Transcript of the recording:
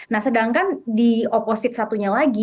nah sedangkan di oposit satunya lagi